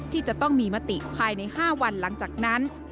ที่จะต้องมีมติภายใน๕วันหลังจากนั้น